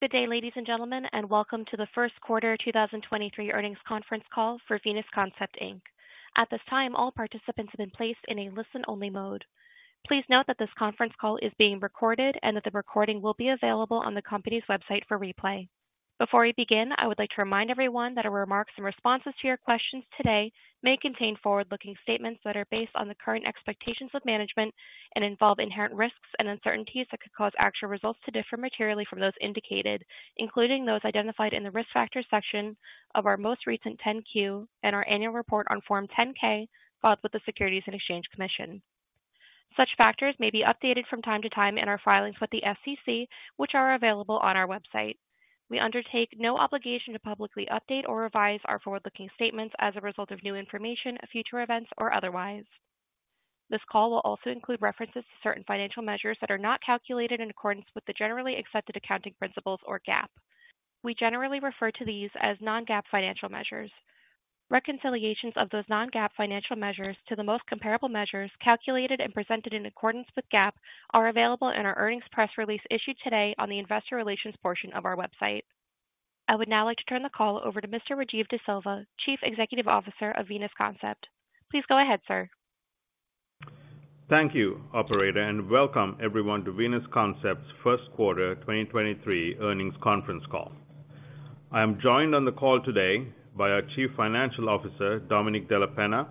Good day, ladies and gentlemen, and welcome to the first quarter 2023 earnings conference call for Venus Concept Inc. At this time, all participants have been placed in a listen-only mode. Please note that this conference call is being recorded and that the recording will be available on the company's website for replay. Before we begin, I would like to remind everyone that our remarks and responses to your questions today may contain forward-looking statements that are based on the current expectations of management and involve inherent risks and uncertainties that could cause actual results to differ materially from those indicated, including those identified in the Risk Factors section of our most recent Form 10-Q and our annual report on Form 10-K filed with the Securities and Exchange Commission. Such factors may be updated from time to time in our filings with the SEC, which are available on our website. We undertake no obligation to publicly update or revise our forward-looking statements as a result of new information, future events, or otherwise. This call will also include references to certain financial measures that are not calculated in accordance with the generally accepted accounting principles, or GAAP. We generally refer to these as non-GAAP financial measures. Reconciliations of those non-GAAP financial measures to the most comparable measures calculated and presented in accordance with GAAP are available in our earnings press release issued today on the investor relations portion of our website. I would now like to turn the call over to Mr. Rajiv De Silva, Chief Executive Officer of Venus Concept. Please go ahead, sir. Thank you, operator, and welcome everyone to Venus Concept's first quarter 2023 earnings conference call. I am joined on the call today by our Chief Financial Officer, Domenic Della Penna,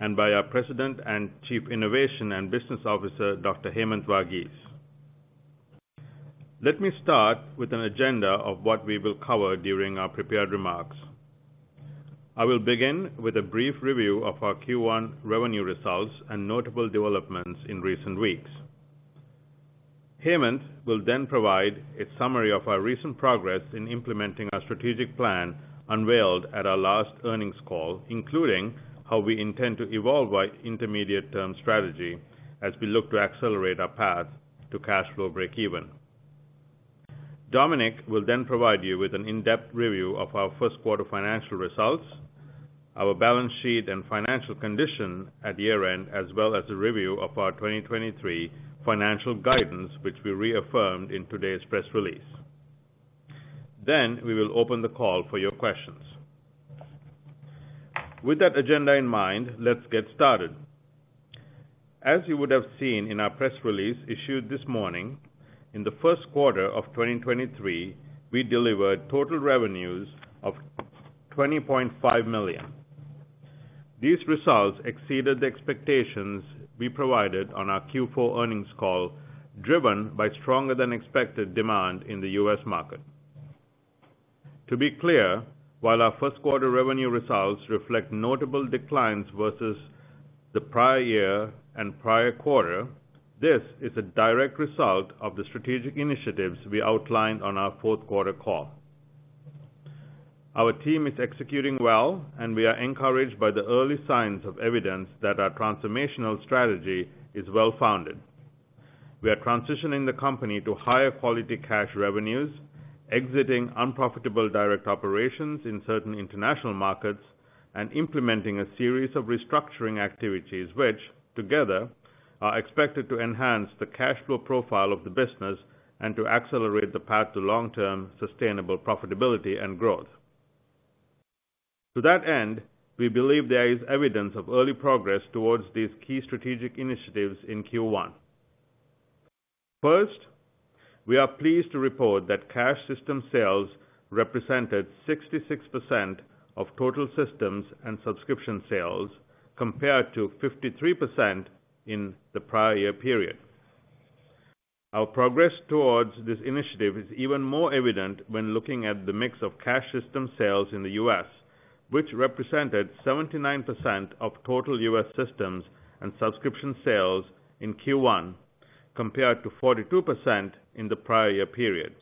and by our President and Chief Innovation and Business Officer, Dr. Hemanth Varghese. Let me start with an agenda of what we will cover during our prepared remarks. I will begin with a brief review of our Q1 revenue results and notable developments in recent weeks. Hemanth will then provide a summary of our recent progress in implementing our strategic plan unveiled at our last earnings call, including how we intend to evolve our intermediate-term strategy as we look to accelerate our path to cash flow breakeven. Dominic will provide you with an in-depth review of our first quarter financial results, our balance sheet, and financial condition at year-end, as well as a review of our 2023 financial guidance, which we reaffirmed in today's press release. We will open the call for your questions. With that agenda in mind, let's get started. As you would have seen in our press release issued this morning, in the first quarter of 2023, we delivered total revenues of $20.5 million. These results exceeded the expectations we provided on our Q4 earnings call, driven by stronger than expected demand in the U.S. market. To be clear, while our first quarter revenue results reflect notable declines versus the prior year and prior quarter, this is a direct result of the strategic initiatives we outlined on our fourth quarter call. Our team is executing well, and we are encouraged by the early signs of evidence that our transformational strategy is well-founded. We are transitioning the company to higher-quality cash revenues, exiting unprofitable direct operations in certain international markets, and implementing a series of restructuring activities which, together, are expected to enhance the cash flow profile of the business and to accelerate the path to long-term sustainable profitability and growth. To that end, we believe there is evidence of early progress towards these key strategic initiatives in Q1. First, we are pleased to report that cash system sales represented 66% of total systems and subscription sales, compared to 53% in the prior year period. Our progress towards this initiative is even more evident when looking at the mix of cash system sales in the U.S., which represented 79% of total US systems and subscription sales in Q1, compared to 42% in the prior year period.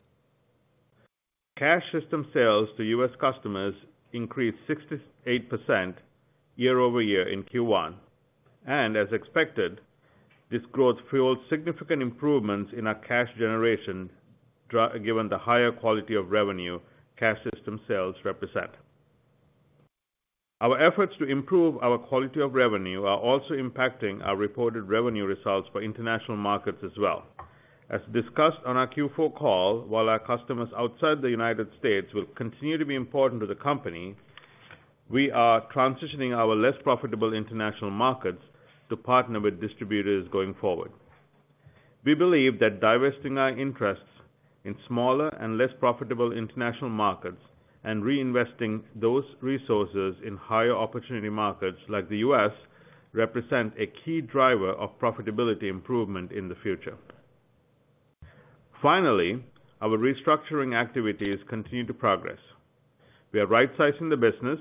Cash system sales to US customers increased 68% year-over-year in Q1. As expected, this growth fueled significant improvements in our cash generation, given the higher quality of revenue cash system sales represent. Our efforts to improve our quality of revenue are also impacting our reported revenue results for international markets as well. As discussed on our Q4 call, while our customers outside the United States will continue to be important to the company, we are transitioning our less profitable international markets to partner with distributors going forward. We believe that divesting our interests in smaller and less profitable international markets and reinvesting those resources in higher opportunity markets like the U.S. represents a key driver of profitability improvement in the future. Finally, our restructuring activities continue to progress. We are rightsizing the business,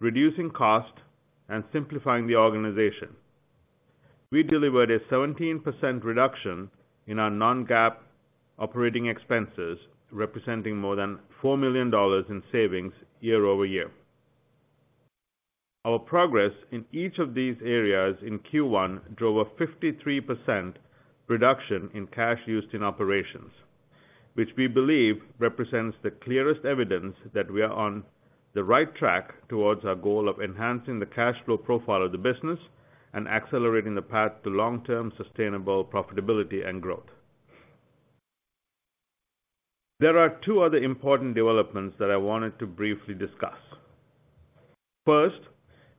reducing costs, and simplifying the organization. We delivered a 17% reduction in our non-GAAP operating expenses, representing more than $4 million in savings year-over-year. Our progress in each of these areas in Q1 drove a 53% reduction in cash used in operations, which we believe represents the clearest evidence that we are on the right track towards our goal of enhancing the cash flow profile of the business and accelerating the path to long-term sustainable profitability and growth. There are two other important developments that I wanted to briefly discuss. First,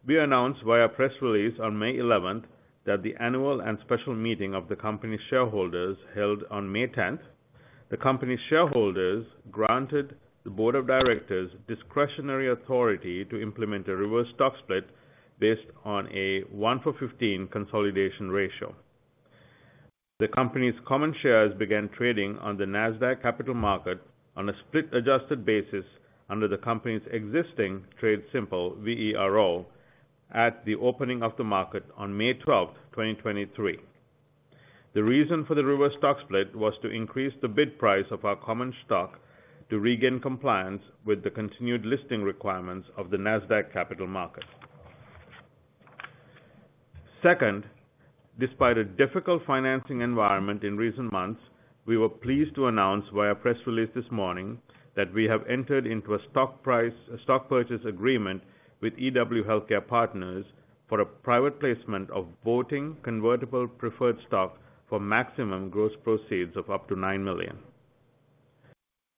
we announced via press release on May 11th that the annual and special meeting of the company's shareholders held on May 10th, the company's shareholders granted the board of directors discretionary authority to implement a reverse stock split based on a one-for-15 consolidation ratio. The company's common shares began trading on the Nasdaq Capital Market on a split-adjusted basis under the company's existing trading symbol VERO at the opening of the market on May 12th, 2023. The reason for the reverse stock split was to increase the bid price of our common stock to regain compliance with the continued listing requirements of the Nasdaq Capital Market. Second, despite a difficult financing environment in recent months, we were pleased to announce via press release this morning that we have entered into a stock purchase agreement with EW Healthcare Partners for a private placement of voting convertible preferred stock for maximum gross proceeds of up to $9 million.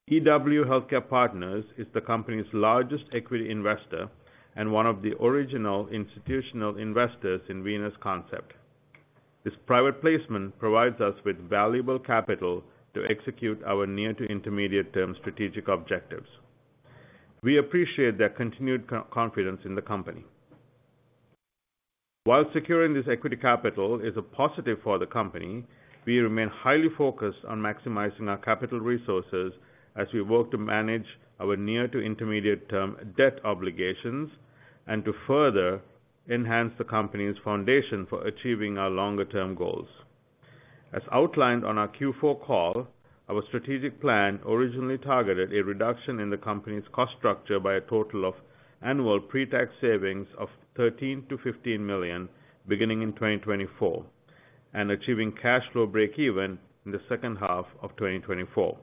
EW Healthcare Partners is the company's largest equity investor and one of the original institutional investors in Venus Concept. This private placement provides us with valuable capital to execute our near-to-intermediate-term strategic objectives. We appreciate their continued confidence in the company. While securing this equity capital is a positive for the company, we remain highly focused on maximizing our capital resources as we work to manage our near-to-intermediate-term debt obligations and to further enhance the company's foundation for achieving our longer-term goals. As outlined on our Q4 call, our strategic plan originally targeted a reduction in the company's cost structure by a total of annual pre-tax savings of $13 million-$15 million beginning in 2024, and achieving cash flow breakeven in the second half of 2024.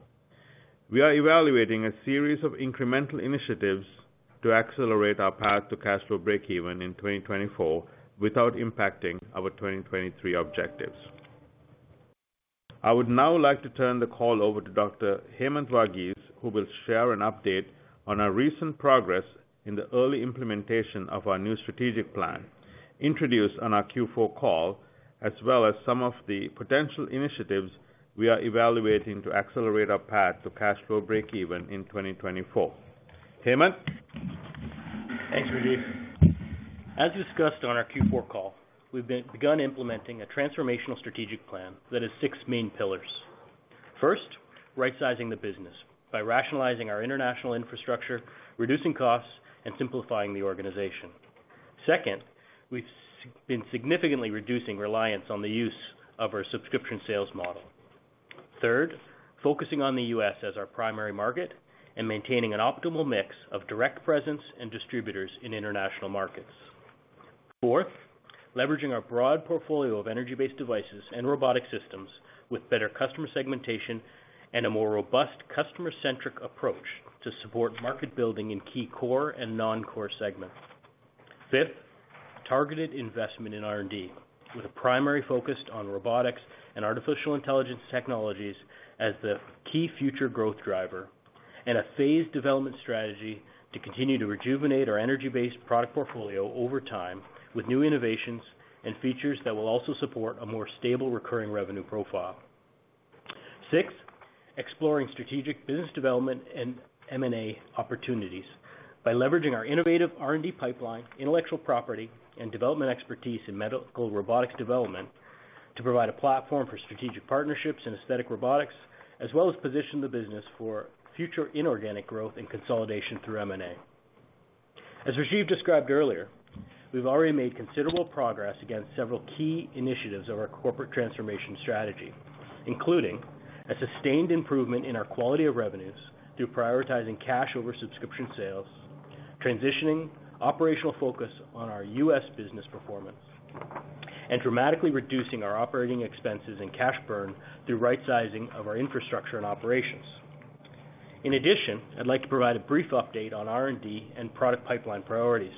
We are evaluating a series of incremental initiatives to accelerate our path to cash flow breakeven in 2024 without impacting our 2023 objectives. I would now like to turn the call over to Dr. Hemanth Varghese, who will share an update on our recent progress in the early implementation of our new strategic plan introduced on our Q4 call, as well as some of the potential initiatives we are evaluating to accelerate our path to cash flow breakeven in 2024. Hemanth. Thanks, Rajiv. As discussed on our Q4 call, we've begun implementing a transformational strategic plan that has six main pillars. First, rightsizing the business by rationalizing our international infrastructure, reducing costs, and simplifying the organization. Second, we've been significantly reducing reliance on the use of our subscription sales model. Third, focusing on the U.S. as our primary market and maintaining an optimal mix of direct presence and distributors in international markets. Fourth, leveraging our broad portfolio of energy-based devices and robotic systems with better customer segmentation and a more robust customer-centric approach to support market building in key core and non-core segments. Fifth, targeted investment in R&D with a primary focus on robotics and artificial intelligence technologies as the key future growth driver and a phased development strategy to continue to rejuvenate our energy-based product portfolio over time with new innovations and features that will also support a more stable recurring revenue profile. Sixth, exploring strategic business development and M&A opportunities by leveraging our innovative R&D pipeline, intellectual property, and development expertise in medical robotics development to provide a platform for strategic partnerships in aesthetic robotics, as well as position the business for future inorganic growth and consolidation through M&A. As Rajiv described earlier, we've already made considerable progress against several key initiatives of our corporate transformation strategy, including a sustained improvement in our quality of revenues through prioritizing cash over subscription sales, transitioning operational focus on our U.S. business performance, and dramatically reducing our operating expenses and cash burn through rightsizing of our infrastructure and operations. In addition, I'd like to provide a brief update on R&D and product pipeline priorities.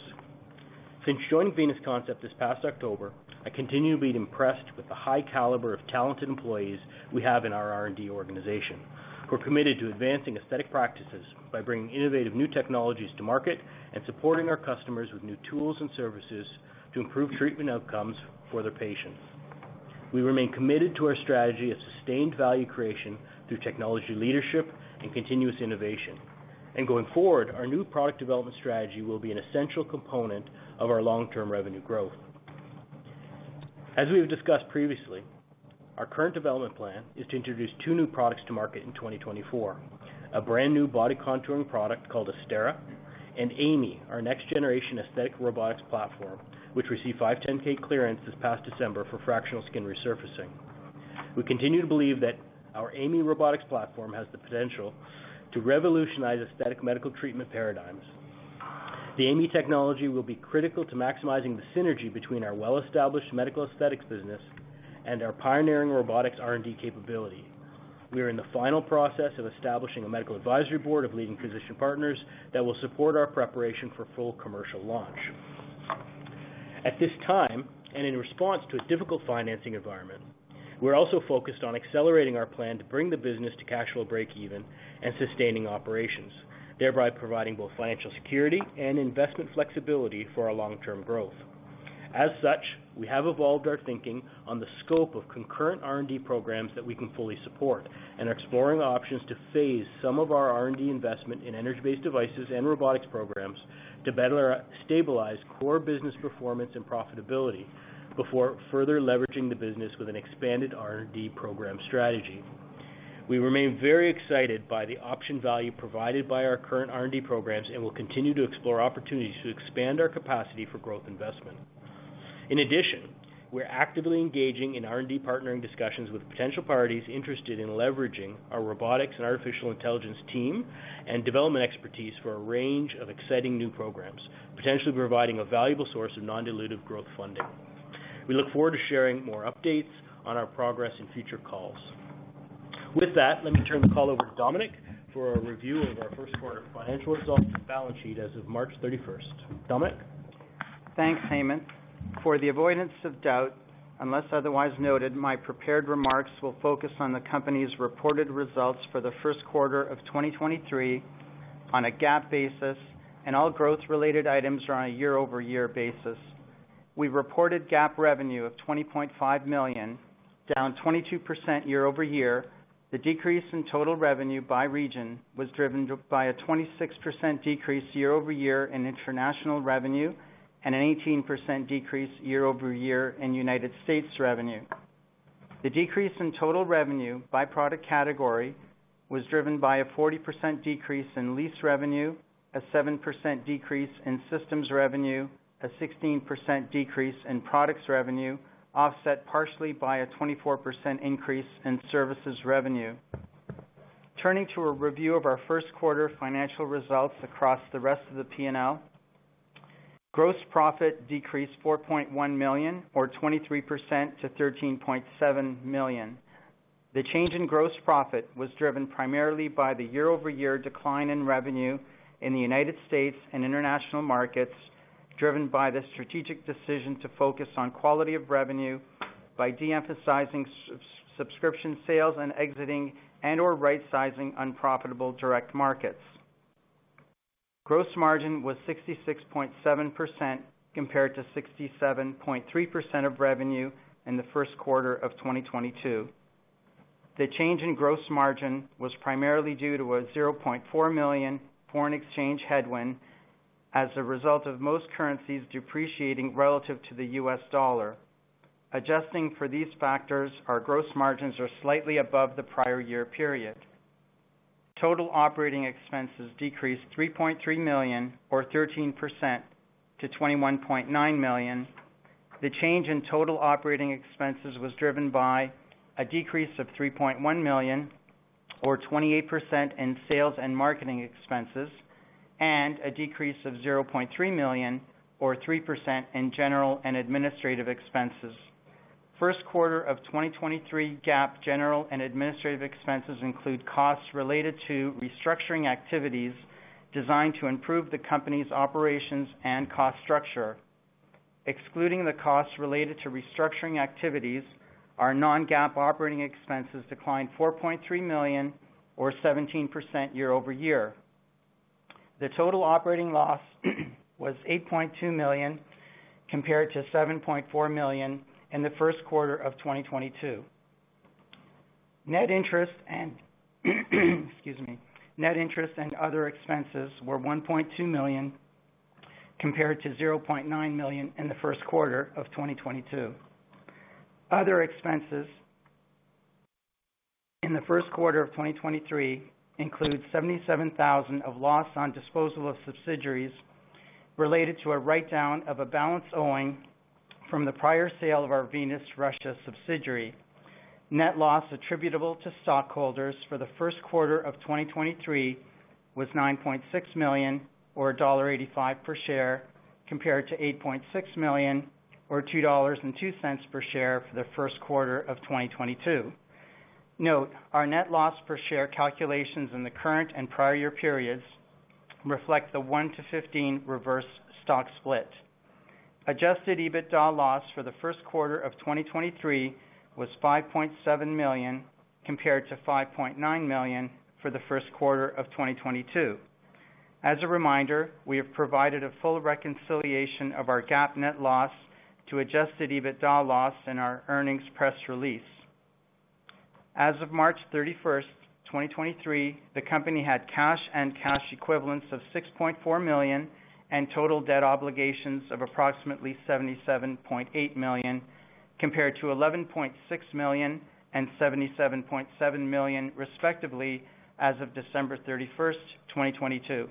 Since joining Venus Concept this past October, I continue to be impressed with the high caliber of talented employees we have in our R&D organization, who are committed to advancing aesthetic practices by bringing innovative new technologies to market and supporting our customers with new tools and services to improve treatment outcomes for their patients. We remain committed to our strategy of sustained value creation through technology leadership and continuous innovation. Going forward, our new product development strategy will be an essential component of our long-term revenue growth. As we've discussed previously, our current development plan is to introduce two new products to market in 2024, a brand new body contouring product called Astera, and AI.ME, our next-generation aesthetic robotics platform, which received 510(k) clearance this past December for fractional skin resurfacing. We continue to believe that our AI.ME robotics platform has the potential to revolutionize aesthetic medical treatment paradigms. The AI.ME technology will be critical to maximizing the synergy between our well-established medical aesthetics business and our pioneering robotics R&D capability. We are in the final process of establishing a medical advisory board of leading physician partners that will support our preparation for full commercial launch. At this time, and in response to a difficult financing environment, we're also focused on accelerating our plan to bring the business to cash flow breakeven and sustaining operations, thereby providing both financial security and investment flexibility for our long-term growth. As such, we have evolved our thinking on the scope of concurrent R&D programs that we can fully support, and are exploring options to phase some of our R&D investment in energy-based devices and robotics programs to better stabilize core business performance and profitability before further leveraging the business with an expanded R&D program strategy. We remain very excited by the option value provided by our current R&D programs, and will continue to explore opportunities to expand our capacity for growth investment. In addition, we're actively engaging in R&D partnering discussions with potential parties interested in leveraging our robotics and artificial intelligence team and development expertise for a range of exciting new programs, potentially providing a valuable source of non-dilutive growth funding. We look forward to sharing more updates on our progress in future calls. With that, let me turn the call over to Dominic for a review of our first quarter financial results and balance sheet as of March 31st. Dominic? Thanks, Hemanth. For the avoidance of doubt, unless otherwise noted, my prepared remarks will focus on the company's reported results for the first quarter of 2023 on a GAAP basis, and all growth-related items are on a year-over-year basis. We reported GAAP revenue of $20.5 million, down 22% year-over-year. The decrease in total revenue by region was driven by a 26% decrease year-over-year in international revenue and an 18% decrease year-over-year in United States revenue. The decrease in total revenue by product category was driven by a 40% decrease in lease revenue, a 7% decrease in systems revenue, a 16% decrease in products revenue, offset partially by a 24% increase in services revenue. Turning to a review of our first quarter financial results across the rest of the P&L. Gross profit decreased $4.1 million, or 23% to $13.7 million. The change in gross profit was driven primarily by the year-over-year decline in revenue in the United States and international markets, driven by the strategic decision to focus on quality of revenue by de-emphasizing subscription sales and exiting and/or rightsizing unprofitable direct markets. Gross margin was 66.7% compared to 67.3% of revenue in the first quarter of 2022. The change in gross margin was primarily due to a $0.4 million foreign exchange headwind as a result of most currencies depreciating relative to the U.S. dollar. Adjusting for these factors, our gross margins are slightly above the prior year period. Total operating expenses decreased $3.3 million, or 13% to $21.9 million. The change in total operating expenses was driven by a decrease of $3.1 million, or 28% in sales and marketing expenses, and a decrease of $0.3 million, or 3% in general and administrative expenses. First quarter of 2023 GAAP general and administrative expenses include costs related to restructuring activities designed to improve the company's operations and cost structure. Excluding the cost related to restructuring activities, our non-GAAP operating expenses declined $4.3 million or 17% year-over-year. The total operating loss was $8.2 million, compared to $7.4 million in the first quarter of 2022. Excuse me. Net interest and other expenses were $1.2 million, compared to $0.9 million in the first quarter of 2022. Other expenses in the first quarter of 2023 include $77,000 of loss on disposal of subsidiaries related to a write-down of a balance owing from the prior sale of our Venus Russia subsidiary. Net loss attributable to stockholders for the first quarter of 2023 was $9.6 million or $1.85 per share, compared to $8.6 million or $2.02 per share for the first quarter of 2022. Note, our net loss per share calculations in the current and prior year periods reflect the one- to-15 reverse stock split. Adjusted EBITDA loss for the first quarter of 2023 was $5.7 million, compared to $5.9 million for the first quarter of 2022. As a reminder, we have provided a full reconciliation of our GAAP net loss to adjusted EBITDA loss in our earnings press release. As of March 31st, 2023, the company had cash and cash equivalents of $6.4 million and total debt obligations of approximately $77.8 million, compared to $11.6 million and $77.7 million, respectively, as of December 31st, 2022.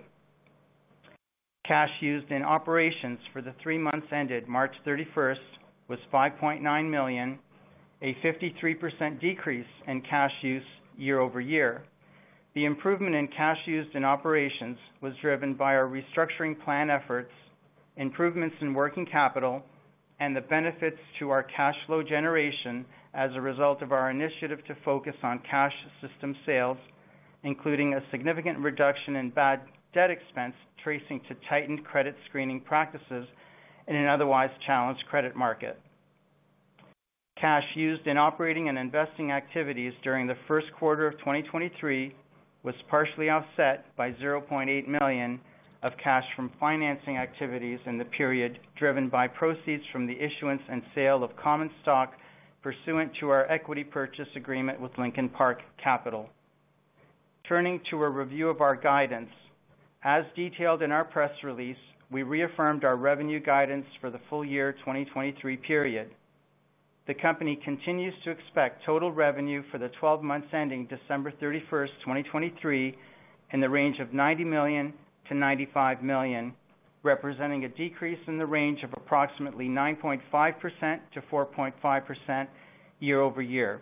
Cash used in operations for the three months ended March 31st was $5.9 million, a 53% decrease in cash use year-over-year. The improvement in cash used in operations was driven by our restructuring plan efforts, improvements in working capital, and the benefits to our cash flow generation as a result of our initiative to focus on cash system sales, including a significant reduction in bad debt expense, tracing to tightened credit screening practices in an otherwise challenged credit market. Cash used in operating and investing activities during the first quarter of 2023 was partially offset by $0.8 million of cash from financing activities in the period, driven by proceeds from the issuance and sale of common stock pursuant to our equity purchase agreement with Lincoln Park Capital. Turning to a review of our guidance. As detailed in our press release, we reaffirmed our revenue guidance for the full-year 2023 period. The company continues to expect total revenue for the 12 months ending December 31st, 2023, in the range of $90 million-$95 million, representing a decrease in the range of approximately 9.5%-4.5% year-over-year.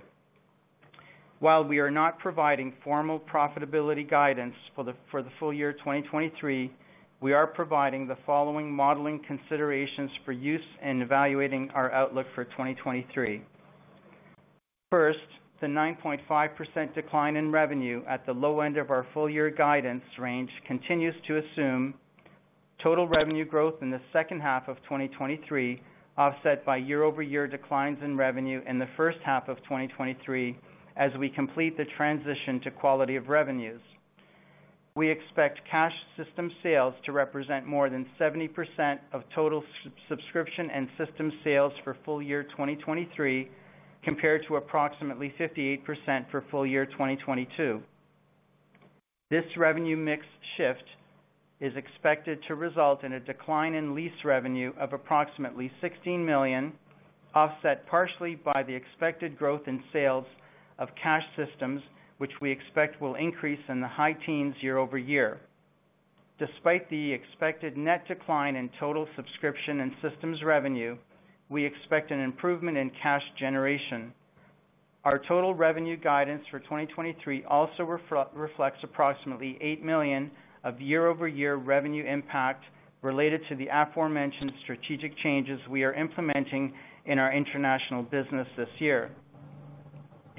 While we are not providing formal profitability guidance for the full-year 2023, we are providing the following modeling considerations for use in evaluating our outlook for 2023. The 9.5% decline in revenue at the low end of our full-year guidance range continues to assume total revenue growth in the second half of 2023, offset by year-over-year declines in revenue in the first half of 2023 as we complete the transition to quality of revenues. We expect cash system sales to represent more than 70% of total subscription and system sales for full-year 2023, compared to approximately 58% for full-year 2022. This revenue mix shift is expected to result in a decline in lease revenue of approximately $16 million, offset partially by the expected growth in sales of cash systems, which we expect will increase in the high-teens year-over-year. Despite the expected net decline in total subscription and systems revenue, we expect an improvement in cash generation. Our total revenue guidance for 2023 also reflects approximately $8 million of year-over-year revenue impact related to the aforementioned strategic changes we are implementing in our international business this year.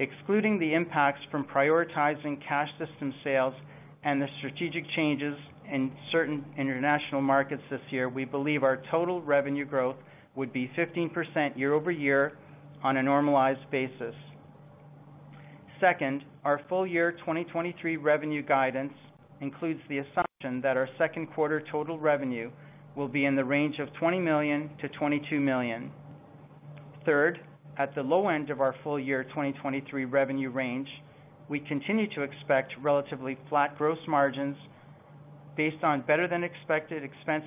Excluding the impacts from prioritizing cash system sales and the strategic changes in certain international markets this year, we believe our total revenue growth would be 15% year-over-year on a normalized basis. Second, our full-year 2023 revenue guidance includes the assumption that our second quarter total revenue will be in the range of $20 million-$22 million. Third, at the low end of our full-year 2023 revenue range, we continue to expect relatively flat gross margins. Based on better-than-expected expense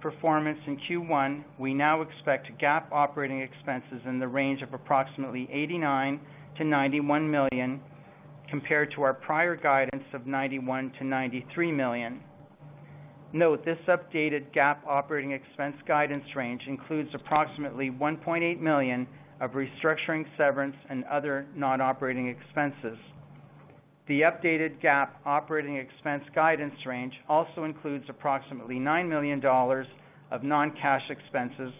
performance in Q1, we now expect GAAP operating expenses in the range of approximately $89 million-$91 million, compared to our prior guidance of $91 million-$93 million. Note this updated GAAP operating expense guidance range includes approximately $1.8 million of restructuring severance and other non-operating expenses. The updated GAAP operating expense guidance range also includes approximately $9 million of non-cash expenses,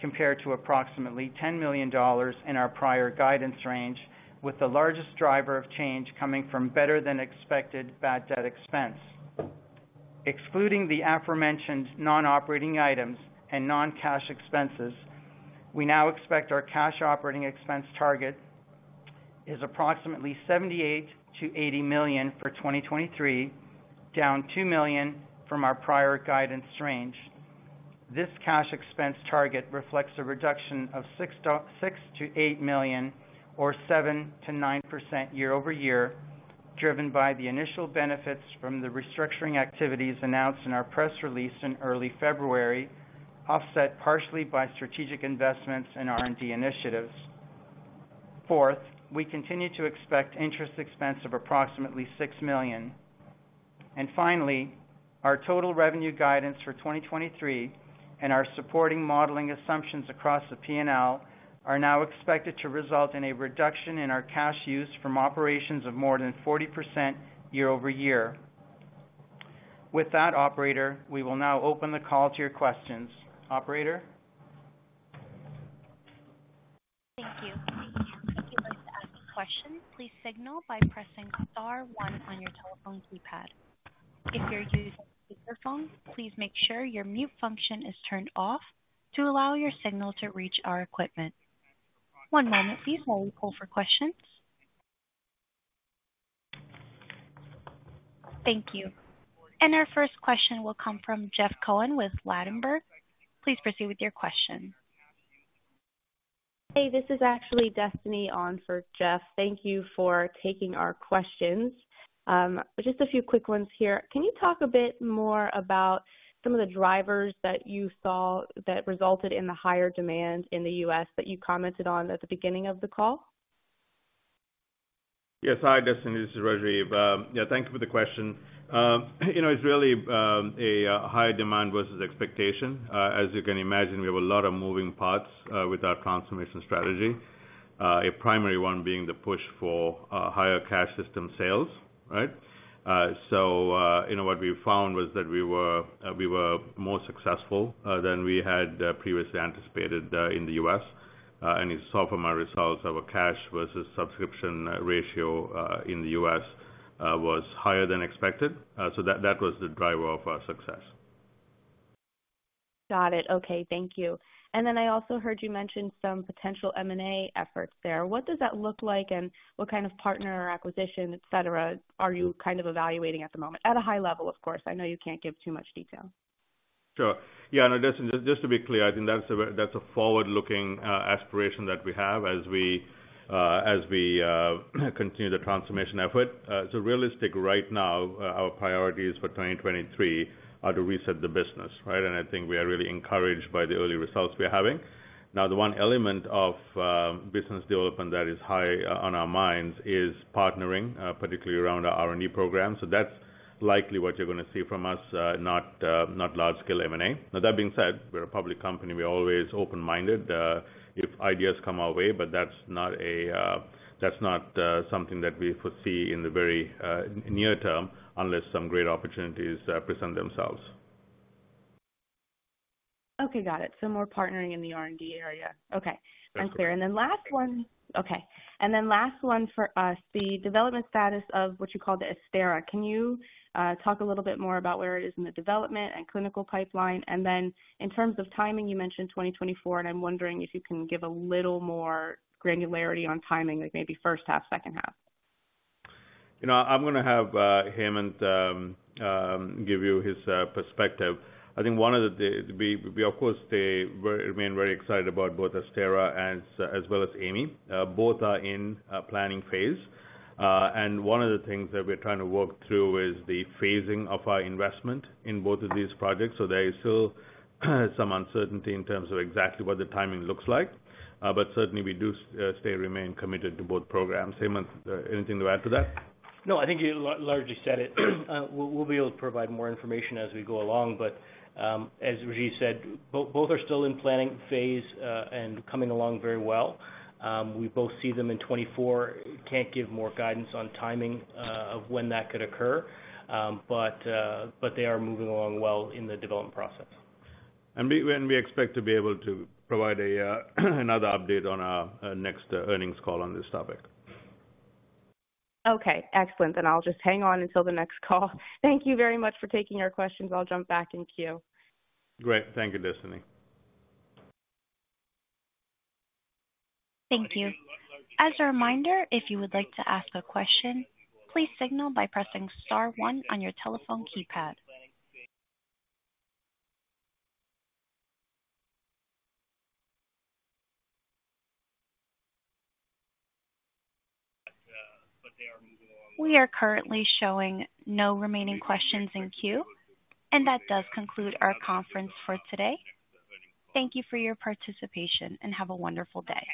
compared to approximately $10 million in our prior guidance range, with the largest driver of change coming from better-than-expected bad debt expense. Excluding the aforementioned non-operating items and non-cash expenses, we now expect our cash operating expense target is approximately $78 million-$80 million for 2023, down $2 million from our prior guidance range. This cash expense target reflects a reduction of $6 million-$8 million or 7%-9% year-over-year, driven by the initial benefits from the restructuring activities announced in our press release in early February, offset partially by strategic investments in R&D initiatives. Fourth, we continue to expect interest expense of approximately $6 million. Finally, our total revenue guidance for 2023 and our supporting modeling assumptions across the P&L are now expected to result in a reduction in our cash use from operations of more than 40% year-over-year. With that operator, we will now open the call to your questions. Operator? Thank you. If you would like to ask a question, please signal by pressing star one on your telephone keypad. If you're using speakerphone, please make sure your mute function is turned off to allow your signal to reach our equipment. One moment, please while we pull for questions. Thank you. Our first question will come from Jeff Cohen with Ladenburg Thalmann. Please proceed with your question. Hey, this is actually Destiny on for Jeff. Thank you for taking our questions. Just a few quick ones here. Can you talk a bit more about some of the drivers that you saw that resulted in the higher demand in the U.S. that you commented on at the beginning of the call? Yes. Hi, Destiny, this is Rajiv. Yeah, thank you for the question. You know, it's really a high demand versus expectation. As you can imagine, we have a lot of moving parts with our transformation strategy. A primary one being the push for higher cash system sales, right? You know, what we found was that we were more successful than we had previously anticipated in the U.S., and you saw from our results our cash versus subscription ratio in the U.S. was higher than expected. That was the driver of our success. Got it. Okay. Thank you. Then I also heard you mention some potential M&A efforts there. What does that look like, and what kind of partner or acquisition, et cetera are you kind of evaluating at the moment? At a high level, of course. I know you can't give too much detail. Sure. Yeah, no, just to be clear, I think that's a very, that's a forward-looking aspiration that we have as we as we continue the transformation effort. It's realistic right now our priorities for 2023 are to reset the business, right? I think we are really encouraged by the early results we're having. Now, the one element of business development that is high on our minds is partnering, particularly around our R&D program. That's likely what you're gonna see from us, not large-scale M&A. Now that being said, we're a public company. We're always open-minded, if ideas come our way, but that's not a, that's not something that we foresee in the very near term, unless some great opportunities present themselves. Got it. More partnering in the R&D area. I'm clear. Last one for us, the development status of what you call the Astera. Can you talk a little bit more about where it is in the development and clinical pipeline? In terms of timing, you mentioned 2024, and I'm wondering if you can give a little more granularity on timing, like maybe first half, second half. You know, I'm gonna have Hemanth give you his perspective. I think one of the, we of course remain very excited about both Astera as well as AI.ME. Both are in planning phase. One of the things that we're trying to work through is the phasing of our investment in both of these projects. There is still some uncertainty in terms of exactly what the timing looks like. Certainly, we do stay remain committed to both programs. Hemanth, anything to add to that? No, I think you largely said it. We'll be able to provide more information as we go along. As Rajiv said, both are still in planning phase and coming along very well. We both see them in 2024. Can't give more guidance on timing of when that could occur. They are moving along well in the development process. We expect to be able to provide a another update on our next earnings call on this topic. Excellent. I'll just hang on until the next call. Thank you very much for taking our questions. I'll jump back in queue. Great. Thank you, Destiny. Thank you. As a reminder, if you would like to ask a question, please signal by pressing star one on your telephone keypad. We are currently showing no remaining questions in queue. That does conclude our conference for today. Thank you for your participation. Have a wonderful day.